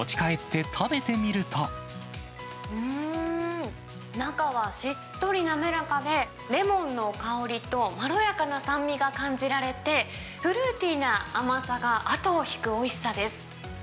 うーん、中はしっとり滑らかで、レモンの香りとまろやかな酸味が感じられて、フルーティーな甘さが後を引くおいしさです。